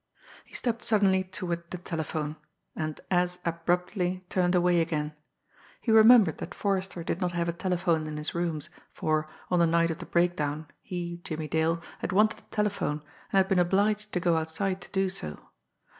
He stepped suddenly toward the telephone and as abruptly turned away again. He remembered that Forrester did not have a telephone in his rooms, for, on the night of the break down, he, Jimmie Dale, had wanted to telephone, and had been obliged to go outside to do so.